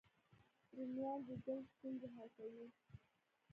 رومیان د جلد ستونزې حل کوي